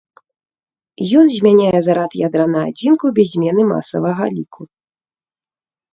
Ён змяняе зарад ядра на адзінку без змены масавага ліку.